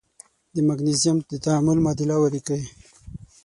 د مګنیزیم د تعامل معادله ولیکئ.